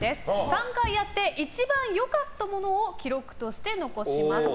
３回やって一番よかったものを記録として残します。